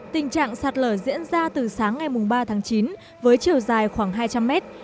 tình trạng sạt lở diễn ra từ sáng ngày ba tháng chín với chiều dài khoảng hai trăm linh mét